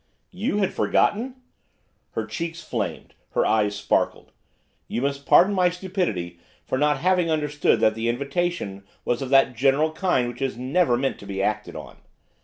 'You had forgotten?' Her cheeks flamed; her eyes sparkled. 'You must pardon my stupidity for not having understood that the invitation was of that general kind which is never meant to be acted on.